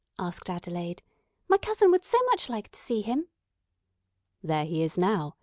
asked Adelaide. "My cousin would so much like to see him." "There he is now.